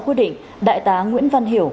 quyết định đại tá nguyễn văn hiểu